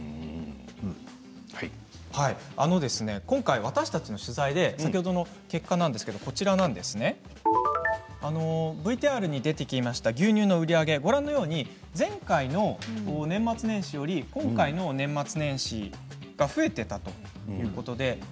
今回、私たちの取材で先ほどの結果なんですけれどもＶＴＲに出てきました牛乳の売り上げご覧のように前回の年末年始より今回の年末年始が増えていたということで。